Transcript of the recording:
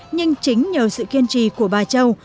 nhưng chính nhờ sự kiên trì của bà châu